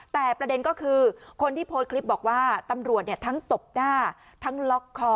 แต่ประเด็นก็คือคนที่โพสต์คลิปบอกว่าตำรวจทั้งตบหน้าทั้งล็อกคอ